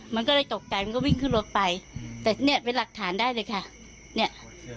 มันก็เลยตกใจมันก็วิ่งขึ้นรถไปแต่เนี่ยเป็นหลักฐานได้เลยค่ะเนี่ย